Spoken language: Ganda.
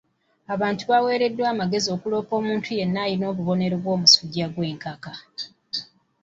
Abantu baweereddwa amagezi okuloopa omuntu yenna alina obubonero bw'omusujja gw'enkaka.